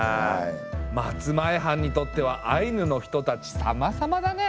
松前藩にとってはアイヌの人たちさまさまだね。